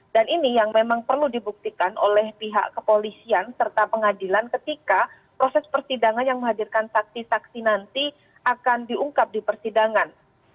dan ini yang memang perlu dibuktikan oleh pihak kepolisian serta pengadilan ketika proses persidangan yang menghadirkan saksi saksi nanti akan diungkap di persidangan